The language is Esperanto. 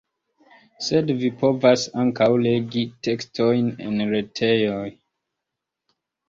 Sed vi povas ankaŭ legi tekstojn en retejoj.